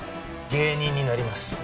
芸人になります。